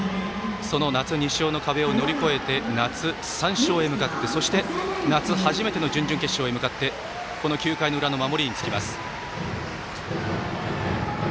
その夏、２勝の壁を乗り越えて夏、３勝へ向かってそして、夏初めての準々決勝へ向かってこの９回の裏の守りにつきます。